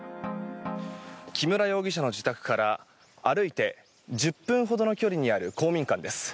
木村容疑者の自宅から歩いて１０分ほどの距離にある公民館です。